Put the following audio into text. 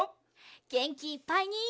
げんきいっぱいに。